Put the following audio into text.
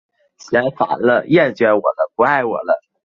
威廉姆森于雷登公园学校和亨利文法学校上学。